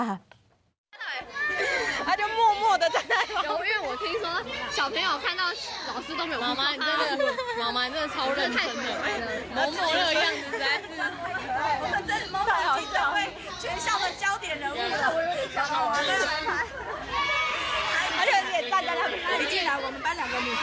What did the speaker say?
มองคุณจริงจ้ะเว้ยชิคกี้พายชอบมันเจ้าติดเหลือ